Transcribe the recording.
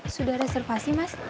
sudah reservasi mas